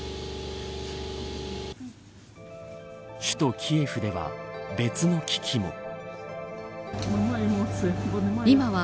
首都キエフでは別の危機も。